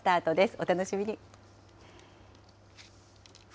お楽しみに。